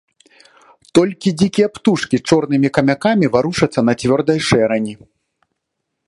Толькі дзікія птушкі чорнымі камякамі варушацца на цвёрдай шэрані.